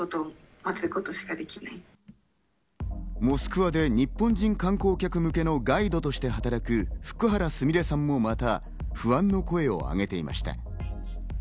モスクワで日本人観光客向けのガイドとして働く福原すみれさんもまた不安の声をあげていました。